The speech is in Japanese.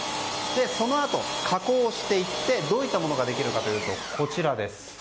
そのあと加工していってどういったものができるかというと、こちら。